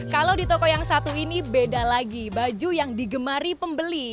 kalau di toko yang satu ini beda lagi baju yang digemari pembeli